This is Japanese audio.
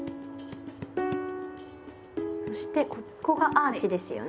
そしてここがアーチですよね？